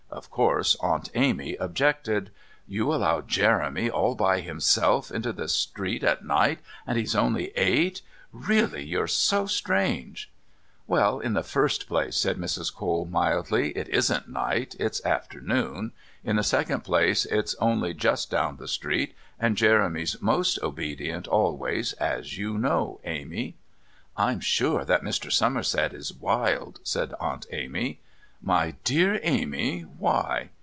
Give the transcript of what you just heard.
Of course Aunt Amy objected. "You allow Jeremy, all by himself, into the street at night, and he's only eight. Really, you're too strange!" "Well, in the first place," said Mrs. Cole, mildly, "it isn't night it's afternoon; in the second place, it is only just down the street, and Jeremy's most obedient always, as you know, Amy." "I'm sure that Mr. Somerset is wild," said Aunt Amy. "My dear Amy, why'?"